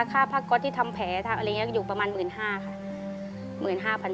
ค่าผ้าก๊อตที่ทำแผลนะครับอยู่ประมาณ๑๕๐๐๐บาท